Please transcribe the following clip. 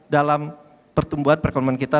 dalam pertumbuhan perekonomian kita